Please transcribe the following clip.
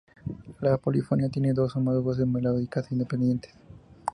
La polifonía tiene dos o más voces melódicas independientes.